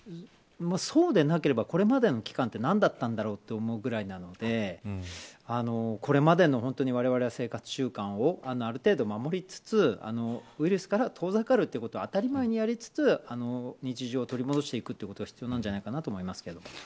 そうでなければ、これまでの期間は何だったんだろうと思うくらいなのでこれまでのわれわれは生活習慣をある程度守りつつウイルスから遠ざかるということを当たり前にやりつつ日常を取り戻していくのが必要なじゃないかと思います。